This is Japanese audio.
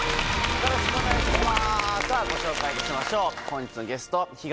よろしくお願いします！